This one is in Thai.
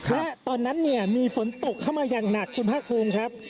และตอนนั้นเนี่ยมีฝนตกเข้ามาอย่างหนักคุณภาคภูมิครับ